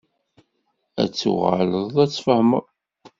Ad ttuɣaleḍ ad ttfehmeḍ.